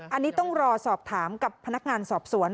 อันนี้ต้องรอสอบถามกับพนักงานสอบสวน